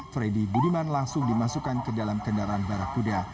freddy budiman langsung dimasukkan ke dalam kendaraan barah kuda